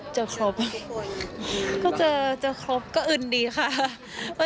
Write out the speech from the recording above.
เจอครบก็เจอครบก็อื่นดีค่ะ